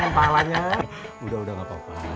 udah udah nggak apa apa